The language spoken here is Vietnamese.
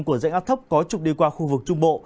của dạnh áp thấp có trục đi qua khu vực trung bộ